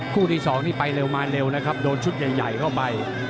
ที่สองนี่ไปเร็วมาเร็วนะครับโดนชุดใหญ่เข้าไป